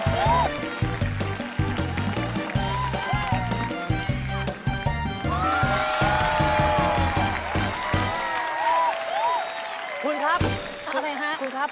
คุณครับขอติดพริกอยู่ข้างหน้าครับ